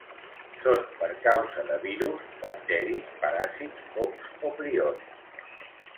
Són per causa de virus, bacteris, paràsits, fongs o prions.